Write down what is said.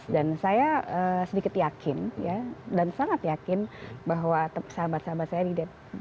dan saya sedikit yakin dan sangat yakin bahwa sahabat sahabat saya di dpi